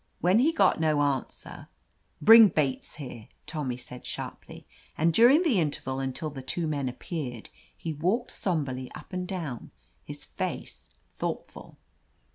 When he got no answer, "Bring Bates here,'* Tommy said sharply, and during the interval until the two men appeared he walked som berly up and down, his face thoughtful.